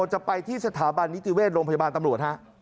จะไปที่สถาบันนิติเวชโรงพยาบาลตำรวจฮะ